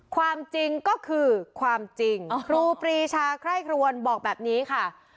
ความจริงก็คือความจริงครูปรีชาไคร่ครวนบอกแบบนี้ค่ะ